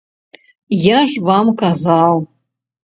Я ж вам казаў.